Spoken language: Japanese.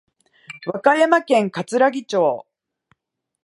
和歌山県かつらぎ町